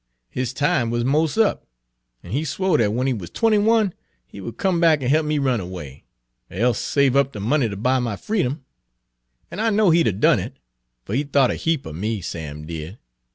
His time wuz mos up, an' he swo' dat w'en he wuz twenty one he would come back an' he'p me run erway, er else save up de money ter buy my freedom. An' I know he'd 'a' done it, fer he thought a heap er me, Sam did.